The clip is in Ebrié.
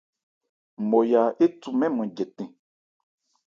Nmɔya éthu mɛ́n nman jɛtɛn.